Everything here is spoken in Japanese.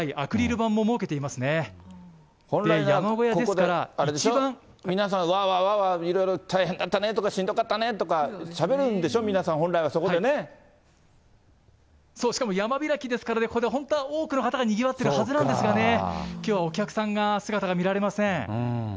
本来ですと皆さん、わーわーわーわー、大変だったねとか、しんどかったねとか、しゃべるんでしょ、そう、しかも山開きですからね、ここで本当は多くの方がにぎわってるはずなんですがね、きょうはお客さんが、姿が見られません。